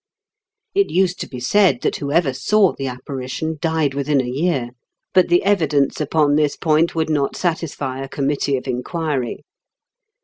It used to be said that whoever saw the apparition died within a year ; but the evidence upon this point would not satisfy a committee of inquiry.